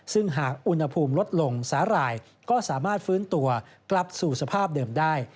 ซึ่งหากอุณหภูมิลดลงสาหร่ายก็สามารถฟื้นตัวกลับสู่สภาพเดิมได้